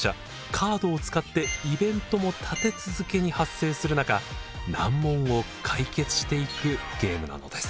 カードを使ってイベントも立て続けに発生する中難問を解決していくゲームなのです。